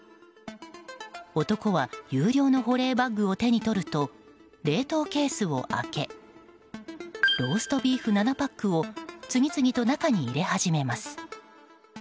男は有料の保冷バッグを手に取ると冷凍ケースを開けローストビーフ７パックを次々と中に入れ始めます。